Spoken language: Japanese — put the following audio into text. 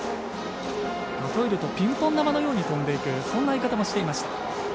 例えるとピンポン玉のように飛んでいくといっていました。